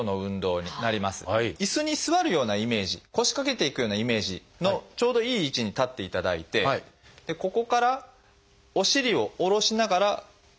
椅子に座るようなイメージ腰掛けていくようなイメージのちょうどいい位置に立っていただいてでここからお尻を下ろしながら腕を上げていく。